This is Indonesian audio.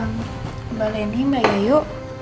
mbak leni mbak gayu